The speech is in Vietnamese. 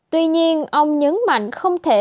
tuy nhiên ông nhấn mạnh không thể